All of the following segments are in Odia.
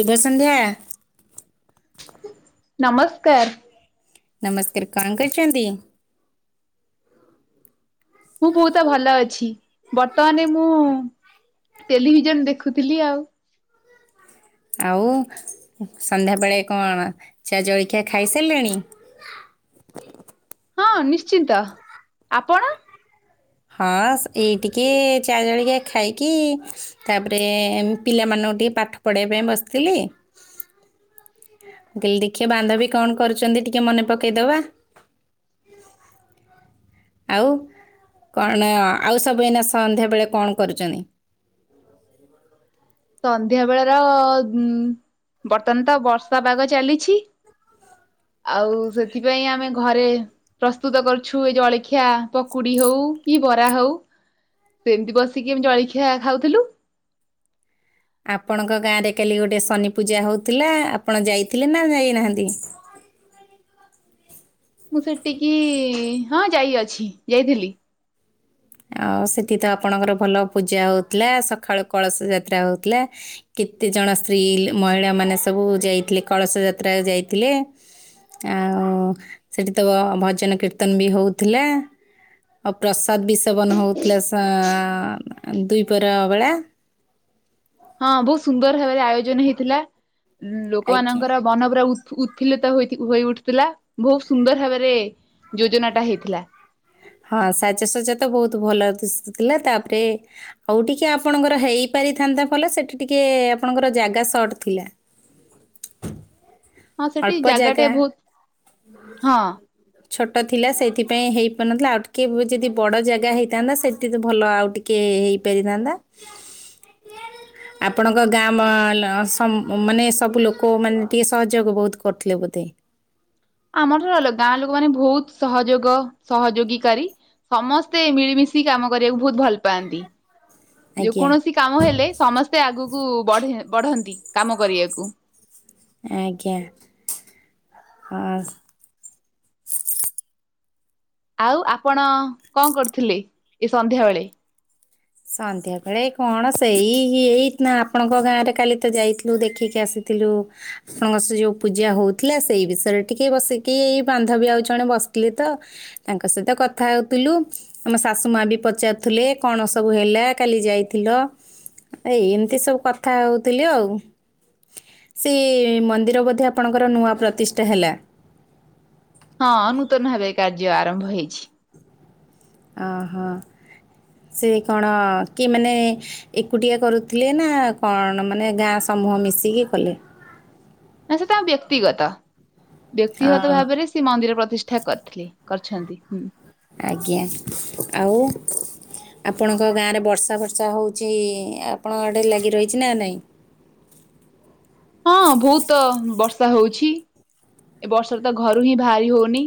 ସୁଭ ସନ୍ଧ୍ୟା। ନମସ୍କାର। ନମସ୍କାର କଣ କରୁଚନ୍ତି? ମୁଁ ବହୁତ ଭଲ ଅଛି ବର୍ତ୍ତମାନେ ମୁଁ ଟେଲିଭିଜନ ଦେଖୁଥିଲି ଆଉ। ଆଉ ସନ୍ଧ୍ୟାବେଳେ କଣ ଚା ଜଳଖିଆ ଖାଇସାରିଲେଣୀ? [inaudible] ହଁ ନିଶ୍ଚିନ୍ତ ଆପଣ? ହଁ ଏଇ ଟିକେ ଚା ଜଳିଖୀଆ ଖାଇକି ତାପରେ ପିଲାମାନ ଟିକେ ପାଠ ପଢ଼େଇବା ପାଇଁ ବସିଥିଲି। ଦେଖିଆ ବାନ୍ଧବି କଣ କରୁଛନ୍ତି ଟିକେ ମନେ ପକେଇଦବା। ଆଉ କଣ ଆଉ ସବୁ ଏଇନା ସନ୍ଧ୍ୟା ବେଳେ କଣ କରୁଚନ୍ତି? ସନ୍ଧ୍ୟା ବେଳ ର ବର୍ତ୍ତମାନ ତ ବର୍ଷା ପାଗ ଚାଲିଛି। [inaudible] ଆଉ ସେଥିପାଇଁ ଆମେ ଘରେ ପ୍ରସ୍ତୁତ କରୁଛୁ ଏ ଜଳିଖିଆ ପକୁଡି ହଉ କି ବରା ହଉ ସେମତି ବସିକି ଜଳିଖିଆ ଖାଉଥିଲୁ। ଆପଣଙ୍କ ଗାଁରେ କାଲି ଗୋଟେ ଶନି ପୂଜା ହଉଥିଲା ଆପଣ ଯାଇଥିଲେ ନା ଯାଇନାହାନ୍ତି। [inaudible] ମୁଁ ସେଠିକି ହଁ ଯାଇ ଅଛି ଯାଇଥିଲି। ଆଉ ସେଠି ତ ଆପଣଙ୍କର ଭଲ ପୂଜା ହଉଥିଲା ସଖାଳୁ କଳସ ଯାତ୍ରା ହଉଥିଲା କେ ତେ ଜଣ ସ୍ତ୍ରୀ ମହିଳାମାନେ ସବୁ ଯାଇଥିଲେ କଳସ ଯାତ୍ରାରେ ଯାଇଥିଲେ। ଆଉ ସେଠି ତ ଭଜନ କୀର୍ତ୍ତନ ବି ହଉଥିଲା। ଆଉ ପ୍ରସାଦ ବି ସେବନ ହଉଥିଲା ଦୁଇପହର ବେଳା। ହଁ ବହୁତ ସୁନ୍ଦର ଭାବରେ ଆୟୋଜନ ହେଇଥିଲା ଆଜ୍ଞା ଲୋକମାନଙ୍କର ବନ ପରା ଉ ଉତ୍ଫୁଲିତ ହୋଇ ଉଠୁଥିଲା ବହୁତ ସୁନ୍ଦର ଭାବରେ ଯୋଜନା ଟା ହେଇଥିଲା। ହଁ ସାଜସଜା ତ ବହୁତ ଭଲ ଦିଶୁଥିଲା ତାପରେ ଆଉ ଟିକେ ଆପଣଙ୍କର ହେଇପାର ହେଇଥାନ୍ତା ଭଲେ ସେଠି ଟିକେ ଆପଣଙ୍କର ଜାଗା ସଟ୍ ଥିଲା। ହଁ ସେଠି ଅଳ୍ପ ଜାଗାଟେ ଜାଗା। ବହୁତ ହଁ ଛୋଟ ଥିଲା ସେଇଥିପାଇଁ ହେଇପାରୁନଥିଲା ଆଉ ଟିକେ ଯଦି ବଡ଼ ଜାଗା ହେଇଥାନ୍ତା ସେଠି ତ ଭଲ ଆଉ ଟିକିଏ ହେଇପାରିଥାନ୍ତା। ଆପଣଙ୍କ ଗାଁ ମାନେ ସବୁ ଲୋକ ମାନେ ଟିକେ ସହଜ। ଯୋଗ ବହୁତ କରିୁଥିଲେ ବୋଧେ। ଆମର ରଲ ଗାଁ ଲୋକ ମାନେ ବହୁତ ସହଯୋଗ ସହଯୋଗୀକାରାରୀ। ସମସ୍ତେ ମିଳିମିଶି କାମ କରିବାକୁ ବହୁତ ଭଲ ପାଆନ୍ତି। ଯେ ଆଜ୍ଞା କୌଣସି କାମ ହେଲେ ସମସ୍ତେ ଆଗକୁ ବଢ ବଢନ୍ତି କାମ କରିବାକୁ। ଆଜ୍ଞା ହଁ। ଆଉ ଆପଣ କଣ କରୁଥିଲେ ଏ ସନ୍ଧ୍ୟାବେେଳେ? ସନ୍ଧ୍ୟାବେଳେ କଣ ସେଇ ଏଇ ନା ଆପଣଙ୍କ ଗାଁରେ କାଲି ତ ଯାଇଥିଲୁ ଦେଖିକି ଆସିଥିଲୁ। ଥିଲୁ ଆପଣଙ୍କ ସେ ଯୋଉ ପୂଜା ହଉଥିଲା ସେଇ ବିଷୟରେ ଟିକେ ବସିକି ଏଇ ବାନ୍ଧବୀ ଆଉ ଜଣେ ବସ ତ ତାଙ୍କ ସହିତ କଥା ହଉଥିଲୁ ଆମ ଶାଶୁ ମା ବି ପଚାରୁଥିଲେ କଣ ସବୁ ହେଲା କାଲି ଯାଇଥିଲ ଏ ଏମିତି ସବୁ କଥା ହଉଥିଲି ଆଉ। ସେ ମନ୍ଦିର ବୋଧ ଆପଣଙ୍କର ନୂଆ ପ୍ରତିଷ୍ଠା ହେଲା। ହଁ ନୂତନ ଭାବେ କାର୍ଯ୍ୟ ଆରମ୍ଭ ହେଇଛି। ଓ ହୋ। ସେ କଣ କି ମାନେ ଏକୁଟିଆ କରୁଥିଲେ ନା କଣ ମାନେ ଗାଁ ସମହ ମିଶିକି କଲେ। ନା ସେ ତା ବ୍ୟକ୍ତିଗତ ବ୍ୟକ୍ତିଗତ ଅ ଭାବରେ ସେ ମନ୍ଦିର ପ୍ର ପ୍ରତିଷ୍ଠା କରିଥିଲି କରିଛନ୍ତି ହୁଁ। ଆଜ୍ଞା ଆଉ ଆପଣଙ୍କ ଗାଁରେ ବର୍ଷା ବର୍ଷା ହେଉଛି ଆପଣଙ୍କ ଗଡ଼େ ଲାଗି ରହିଛି ନା ନାହିଁ। ହଁ ବହୁତ ବର୍ଷା ହଉଛି। ଏ ବର୍ଷରେ ତ ଘରୁ ହିଁ ଭାରି ହଉନି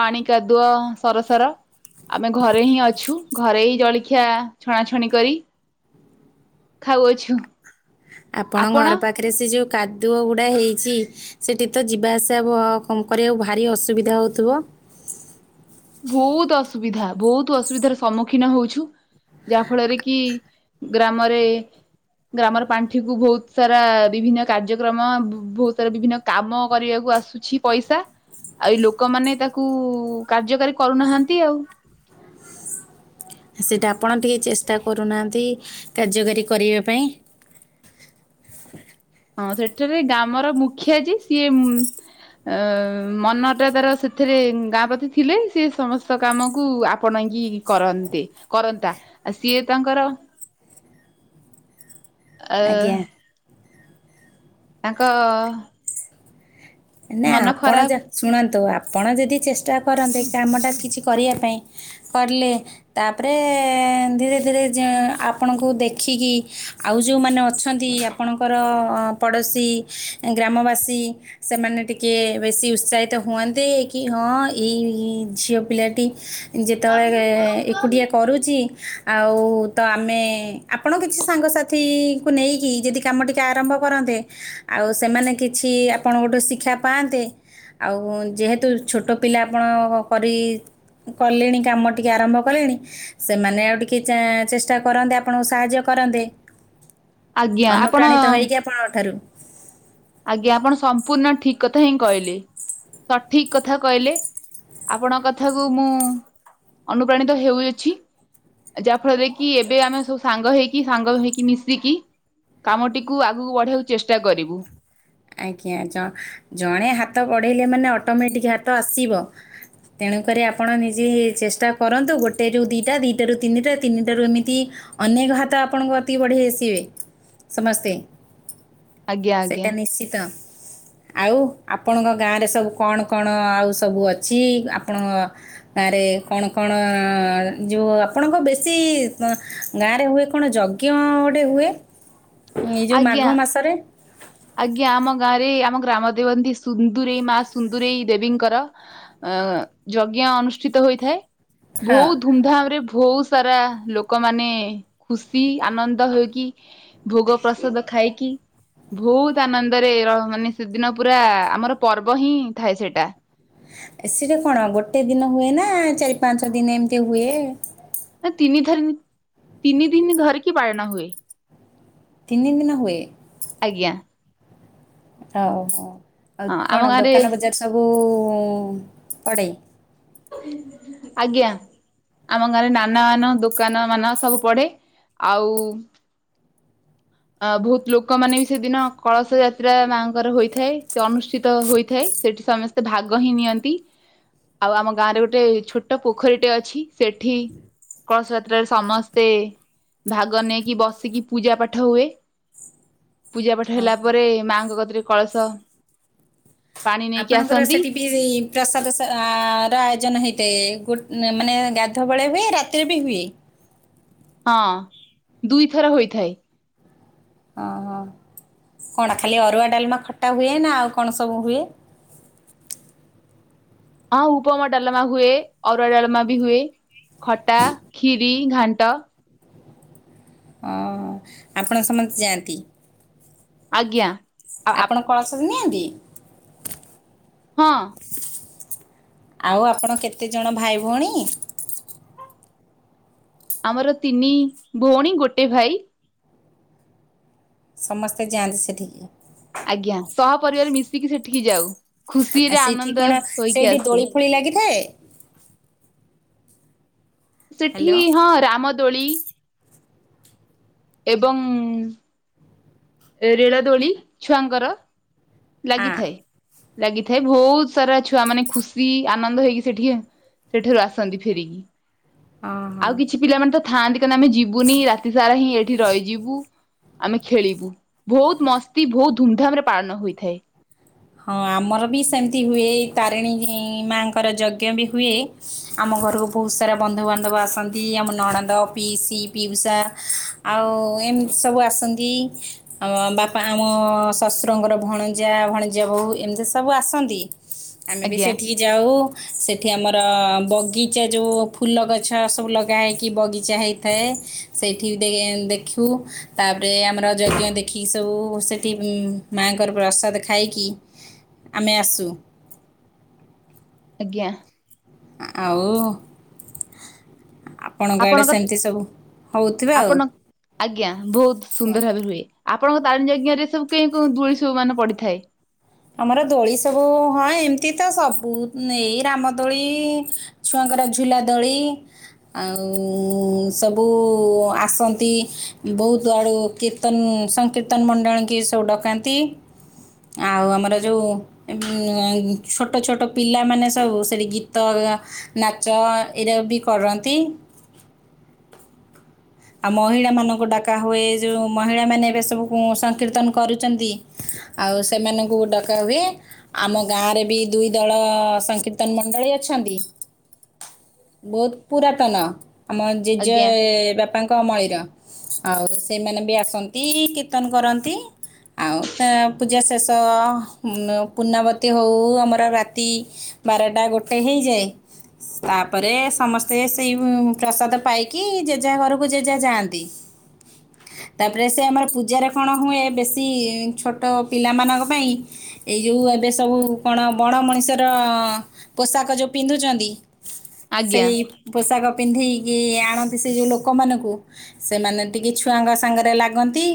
ପାଣି କାଦୁଅ ସରସର। ଆମେ ଘରେ ହିଁ ଅଛୁ ଘରେ ହିଁ ଜଳଖିଆ ଛଣାଛଣି କରି ଖାଉଅଛୁ। ଆପଣଙ୍କ ଆପଣ ଘର ପାଖରେ ସେ ଯୋଉ କାଦୁଅ ଗୁଡ଼ା ହେଇଛି ସେଇଠି ତ ଯିବା ଆସିବା କଣ କରିବାକୁ ଭାରି ଅସୁବିଧା ହେଉଥିବ। ବହୁତ ଅସୁବିଧା ବହୁତ ଅସୁବିଧାର ସମ୍ମୁଖୀନ ହଉଛୁ। ଯାହା ଫଳରେ କି ଗ୍ରାମରେ। ଗ୍ରାମର ପାଣ୍ଠି କୁ ବହୁତ ସାରା ବିଭିନ୍ନ କାର୍ଯ୍ୟକ୍ରମ ବହୁତ ସାରା ବିଭିନ୍ନ କାମ କରିବାକୁ ଆସୁଚି ପଇସା ଏଇ ଲୋକମାନେ ତାକୁ କାର୍ଯ୍ୟକାରି କରୁନାହାନ୍ତି ଆଉ। ସେଇଟା ଆପଣ ଟିକେ ଚେଷ୍ଟା କରୁନାହାଁନ୍ତି। କାର୍ଯ୍ୟକାରୀ କରିବା ପାଇଁ ହଁ ସେଠାରେ ଗ୍ରାମର ମୁଖିଆ ଯିଏ ସିଏ ମନଟା ତାର ସେଥିରେ ସେ ଗାଁ ପ୍ରତି ଥିଲେ ସେ ସମସ୍ତ କାମକୁ ଆପଣ କିି କରନ୍ତେ କରନ୍ତା। ସିଏ ତାଙ୍କର ଆ ଆଜ୍ଞା ତାଙ୍କ ନା ମନ ଆପଣ ଖରାପ ଯା ଶୁଣନ୍ତୁ ଆ ପଣ ଯଦି ଚେଷ୍ଟା କରନ୍ତେ କାମଟା କିଛି କରିବା ପାଇଁ କଲେ ତାପରେ ଏ ଧୀରେ ଧୀରେ ଯେ ଆପଣଙ୍କୁ ଦେଖିକି ଆଉ ଯେଉଁମାନେ ଅଛନ୍ତି ଆପଣଙ୍କର ପଡ଼ୋଶୀ ଗ୍ରାମବାସୀ ସେମାନେ ଟିକେ ବେଶୀ ଉତ୍ସାହିତ ହୁଅନ୍ତେ କି ହଁ ଏଇ ଝିଅ ପିଲାଟି ଯେତେବେଳେ ଏକୁଟିଆ କରୁଛି ଆଉ ତ ଆମେ ଆପଣ କିଛି ସାଙ୍ଗସାଥିଙ୍କୁ ନେଇକି ଯଦି କାମ ଟିକେ ଆରମ୍ଭ କରନ୍ତୁ ଆଉ ସେମାନେ କିଛି ଆପଣ ଗୋଟେ ଶିକ୍ଷା ପାଆନ୍ତେ ଆଉ ଯେହେତୁ ଛୋଟ ପିଲା ଆପଣ କରି କଲେଣି କାମ ଟିକେ ଆରମ୍ଭ କଲେଣି ସେମାନେ ଆଉ ଟିକେ ଚେଷ୍ଟା କରନ୍ତି ଆପଣଙ୍କୁ ସାହାଯ୍ୟ ଆଜ୍ଞା ଆପଣ ଅନୁପ୍ରାଣିତ ହେଇକି ଆପଣଙ୍କ ଠାରୁ ଆଜ୍ଞା ଆପଣ ସମ୍ପୂର୍ଣ୍ଣ ଠିକ କଥା ହିଁ କହିଲେ ସଠିକ କଥା କହିଲେ ଆପଣଙ୍କ କଥାକୁ ମୁଁ ଅନୁପ୍ରାଣିତ ହେଉଅଛି ଯାହା ଫଳରେ କି ଏବେ ଆମେ ସବୁ ସାଙ୍ଗ ହେଇକି ସାଙ୍ଗ ହେଇକି ମିଶିକି କାମଟିକୁ ଆଗକୁ ବଢେଇବାକୁ ଚେଷ୍ଟା କରିବୁ ଆଜ୍ଞା ଜଣେ ହାତ ବଢେଇଲେ ମାନେ ଅଟୋମେଟିକ ହାତ ଆସିବ ତେଣୁକରି ଆପଣ ନିଜେ ଚେଷ୍ଟା କରନ୍ତୁ ଗୋଟେ ର ଦିଟା ଦିଟାରୁ ତିନିଟା ତିନିଟାରୁ ଏମିତି ଅନେକ ହାତ ଆପଣଙ୍କୁ ଅତି ବଢେଇ ଆସିବେ ସମସ୍ତେ ଆଜ୍ଞା ଆଜ୍ଞା ନା ଆଉ ଆପଣଙ୍କ ଗାଁ ରେ ସବୁ କଣ କଣ ଆଉ ସବୁ ଅଛି ଆପଣଙ୍କଁ କଣ କଣ ଯଉ ଆପଣଙ୍କ ବେଶୀ ଗାଁରେ ହୁଏ କଣ ଯ ଗୋଟେ ହୁଏ ଏ ଯୋଉ ମାଘ ଆଜ୍ଞା ମାସରେ ଆଜ୍ଞା ଆମ ଗାଁରେ ଆମ ଗ୍ରାମ ଦେବନ୍ତୀ ସୁନ୍ଦରଇ ମା ସୁନ୍ଦରଇ ଦେବୀଙ୍କର ଅ ଯଜ୍ଞ ଅନୁଷ୍ଠିତ ହୋଇଥାଏ ହଁ ବହୁତ ଧୁମଧାମ ରେ ବହୁତ ସାରା ଲୋକମାନେ ଖୁସି ଆନନ୍ଦ ହେଇକି ଭୋଗ ପ୍ରସାଦ ଖ ଖାଇକି ବହୁତ ଆନନ୍ଦରେ ମାନେ ସେଦିନ ପୁରା ଆମର ପର୍ବ ହିଁ ଥାଏ ସେଇଟା ସେଟା କଣ ଗୋଟେ ଦିନ ହୁଏ ନା ଚାରି ପାଞ୍ଚ ଦିନ ଏମିତି ହୁଏ ନା ତିନି ଧରି ତିନି ଦିନ ଧରିକି ପାଳଣା ହୁଏ ତିନି ଦିନ ହୁଏ ଆଜ୍ଞା ହଉ ହଉ ଆଉ ହଁ ଆମ କଣ ଗାଁରେ ଦୋକାନ ବଜାର ସବୁ ପଡ଼େଇ ଆଜ୍ଞା ଆମ ଗାଁ ରେ ନାନା ମାନ ଦୋକାନ ମାନ ସବୁ ପଡେ ଆଉ ଅ ବହୁତ ଲୋକମାନୋନେ ବି ସେଦିନ କଳସ ଯାତ୍ରା ମାଙ୍କର ହୋଇଥାଏ ସେ ଅନୁଷ୍ଠିତ ହୋଇଥାଏ ସେଠି ସମସ୍ତେ ଭାଗ ହିଁ ନିଅନ୍ତି ଆଉ ଆମ ଗାଁ ରେ ଗୋଟେ ଛୋଟ ପୋଖରୀଟେ ଅଛି ସେଠି କଳସ ଯାତ୍ରାରେ ସମସ୍ତେ ଭାଗ ନେଇକି ବସିକି ପୂଜା ପାଠ ପାଠ ହଏ ପୂଜା ପାଠ ହଁ ହେଲା ହଁ। ପରେ ମାଙ୍କ କତିରେ କଳସ ପାଣି ନେଇକି ଆପଣଙ୍କର ଆସନ୍ତି ସେଠି ବିି ପ୍ରସାଦ ର ଆୟୋଜନ ହେଇଥାଏ ଗୋ ମାନେ ଗାଧବେଳେ ହୁଏ ରାତିରେ ବି ହୁଏ ହଁ ଦୁଇଥର ହୋଇଥାଏ ହ ହଁ କଣ ଖାଲି ଅରୁଆ ଡାଲମା ଖଟା ହୁଏ ନା ଆଉ କଣ ସବୁ ହୁଏ ହଁ ଉପମ ଡଲମା ହୁଏ ଅଔ ଅଡଳମା ବି ହୁଏ ଖଟା ଖ୍ିରି ଘାଣ୍ଟ ଓ ଆପଣ ସମସ୍ତେ ଯାଆନ୍ତି ଆଜ୍ଞା ଆଉ ଆପ ଆପଣ କଳସ ନିଅନ୍ତି ହଁ ଆଉ ଆପଣ କେତେଜଣ ଭାଇ ଭଉଣୀ ଆମର ତିନି ଭଉଣୀ ଗୋଟେ ଭାଇ ସମସ୍ତେ ଯାଆନ୍ତି ସେଠିକି ଆଜ୍ଞା ସହ ପରିବାର ମିଶିକି ସେଠିକି ଯାଉ ଆଉ ଖୁସିରେ ସେଇଠି ଆନନ୍ଦ କଣ ହୋଇକି ସେଇଠି ଦୋଳି ଆସୁ ଫୋଳି ଲାଗିଥାଏ ସେଠି ହ୍ୟାଲୋ ହଁ ରାମଦୋଳି ଏବଂ ରେଳ ଦୋଳି ଛୁଆଙ୍କର ହଁ ଲାଗିଥାଏ ଲାଗିଥାଏ ବହୁତ ସାରା ଛୁଆ ମାନେ ଖୁସି ଆନନ୍ଦ ହେଇକି ସେଠି ସେଠାରୁ ଆସନ୍ତି ଫେରିକି ଆଉ ଓହୋ କିଛି ପିଲାମାନେ ତ ଥାଆନ୍ତି କହନ୍ତେ ଆମେ ଯିବୁନି ରାତି ସାରା ହିଁ ଏଇଠି ରହିଯିବୁ ଆମେ ଖେଳିବୁ ବହୁତ ମସ୍ତି ବହୁତ ଧୁମଧାମ ରେ ପାଳନ ହୋଇଥାଏ ହଁ ଆମର ବି ସେମିତି ହୁଏ ତାରିଣୀ ମାଙ୍କର ଯଜ୍ଞ ବି ହୁଏ ଆମ ଆମ ଘରକୁ ବହୁତ ସାରା ବନ୍ଧୁବାନ୍ଧବ ଆସନ୍ତି ଆମ ନଣନ୍ଦ ପିଇସି ପିଉସା ଆଉ ଏମିତି ସବୁ ଆସନ୍ତି ଆ ବାପା ଆମ ଶଶୁରଙ୍କର ଭଣଜା ଭଣ ଜ ବଉ ଏମିତି ସବୁ ଆସନ୍ତି ଆମେ ବି ଆଜ୍ଞା ସେଠିକି ଯାଉ ସେଠି ଆମର ବଗିଚା ଯେଉ ଫୁଲ ଗଛ ସବୁ ଲଗା ହେେଇକି ବଗିଚା ହେଇଥାଏ ସେଇଠି ଦେଖୁ ତାପରେ ଆମର ଅ ଯଜ୍ଞ ଦେଖିକି ସବୁ ସେଠି ମାଙ୍କ ା ଖ ଆମ ଆ ଆଜ୍ଞା ଆଉ ଆପଣଙ୍କ ଆଡ଼େ ସେମିତି ସବୁ ହଉଥିବ ଆଉ ଆପଣ ଆଜ୍ଞା ବହୁତ କୁହ। ସୁନ୍ଦର ଭାବବେ ହୁଏ ଆପଣଙ୍କ ତାରିୀ ଯଜ୍ଞ ସବୁ କେ କ ଦୂଳି ସବୁ ମାନେ ପଡିଥାଏ ଆମର ଦୋଳି ସବୁ ହଁ ଏମିତି ତ ସବୁ ଏଇ ରାମ ଦୋଳି ଛୁଆଙ୍କ ର ଝୁଲା ଦୋଳି ଆଉ ସବୁ ଆସନ୍ତି ବହୁତ ଆଡ଼ୁ କୀର୍ତ୍ତନ ସଂକୀର୍ତ୍ତନ ମଣ୍ଡଳୀ କି ସବୁ ଡକାନ୍ତି ଆଉ ଆମର ଯ ଛୋଟ ଛୋଟ ପିଲାମାନୋନ ସବୁ ସେଠ ଗୀତ ନାଚ ଏଇରା ବି କରନ୍ତି ଆଉ ମହିଳା ମାନଙ୍କୁ ଡାକା ହୁଏ ଯୋଉ ମହିଳା ମାନେ ଏବେ ସବୁ ସଂକୀର୍ତ୍ତନ କରୁଛନ୍ତି ଆଉ ସେମାନଙ୍କୁ ଡକାହୁଏ ଆମ ଗାଁ ରେ ବି ଦୁଇ ଦଳ ସଂକୀର୍ତ୍ତନ ମଣ୍ଡଳୀ ବ ପାତ ଆମ ଆଜ୍ଞା କମଳିର ଆଉ ସେମାନେ ବି ଆସନ୍ତି କୀର୍ତ୍ତନ କରନ୍ତି ଆଉ ପୂଜା ଶେଷ ଉ ପୂର୍ଣ୍ଣବତୀ ହଉ ଆମର ରାତି ବାରଟା ଗୋଟେ ହେଇଯାଏ ତାପରେ ସମସ୍ତେ ସେଇ ପ୍ରସାଦ ପାଇକି ଜେଜୋ ଘରକୁ ପୂଜ ଯା ଯାଆନ୍ତି ତାପରେ ସେ ଆମର ପୂଜାରେ କ'ଣ ହୁଏ ବେଶୀ ଛୋଟ ପିଲାମାନଙ୍କ ପାଇଁ ଏଇ ଯେଉଁ ଏବେ ସବୁ କଣ ବଣ ମଣିଷର ପୋଷାକ ଯୋଉ ପିନ୍ଧୁଛନ୍ତି ଆଜ୍ଞା ସେଇ ପୋଷାକ ପିନ୍ଧିକି ଆଣନ୍ତି ସେ ଯୋଉ ଲୋକ ଲୋକମାନଙ୍କୁ ସେମାନେ ଟିକେ ଛୁଆଙ୍କ ସାଙ୍ଗରେ ଲାଗନ୍ତି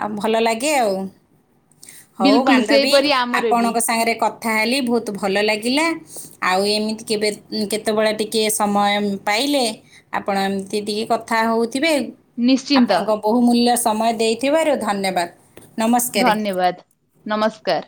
ଆଉ ଭଲ ଲାଗେ ଆଉ ହଉ ବିଲକୁଲ ବାନ୍ଧବୀ ସେଇପରି ଆମର ବି। ଆପଣଙ୍କ ସାଙ୍ଗରେ ତାହେଲେ ବହୁତ ଭଲ ଲାଗିଲା ଆଉ ଏମିତି କେବେ କେତେବେଳେ ଟିକଏ ସମୟ ପାଇ ଆ କଥା ହଉଥିବେ ନିଶ୍ଚିନ୍ତ ଆପଣଙ୍କ ବହୁମୂଲ୍ୟ ସମୟ ଦେଇଥିବାରୁ ଧନ୍ୟବାଦ ନମସ୍କାର ଧନ୍ୟବାଦ ନମସ୍କାର